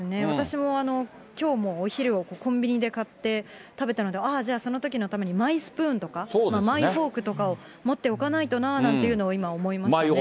私も、きょうもお昼をコンビニで買って食べたので、ああじゃあ、そのときのために、マイスプーンとか、マイフォークとかを持っておかないとななんていうのを今思いまし